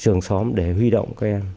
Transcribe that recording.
trường xóm để huy động các em